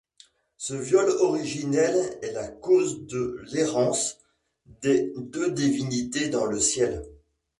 Ce viol originel est la cause de l’errance des deux divinités dans le ciel.